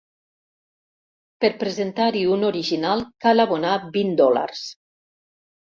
Per presentar-hi un original cal abonar vint dòlars.